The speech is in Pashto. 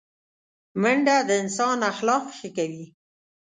منډه د انسان اخلاق ښه کوي